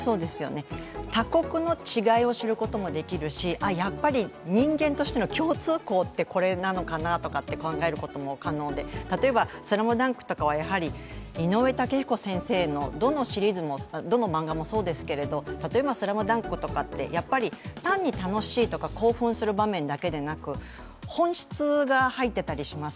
他国の違いを知ることもできるし、やっぱり人間としての共通項ってこれなのかなと考えることも可能で例えば「ＳＬＡＭＤＵＮＫ」とかは井上雄彦先生のどのシリーズもどの漫画もそうですけど、例えば「ＳＬＡＭＤＵＮＫ」とかってやっぱり単に楽しいとか興奮する場面だけではなく、本質が入ってたりします。